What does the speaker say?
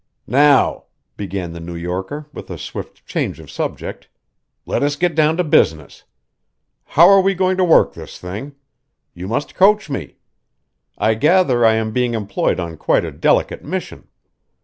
"Now," began the New Yorker with a swift change of subject, "let us get down to business. How are we going to work this thing? You must coach me. I gather I am being employed on quite a delicate mission.